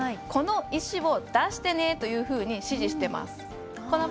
この石を出してねというふうに指示してます。